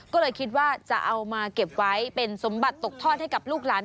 ก็เลยคิดว่าจะเอามาเก็บไว้เป็นสมบัติตกทอดให้กับลูกหลาน